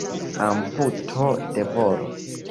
Amputo de volo.